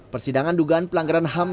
persidangan dugaan pelanggaran ham